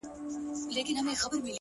اوس سپوږمۍ نسته اوس رڼا نلرم؛